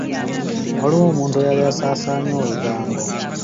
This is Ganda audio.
Waliwo omuntu eyali asaasaanya olugambo.